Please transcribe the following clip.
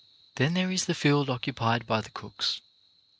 Then there is the field occupied by the cooks.